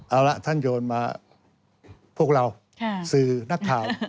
เอาละท่านโยนมาพวกเราสื่อนักข่าว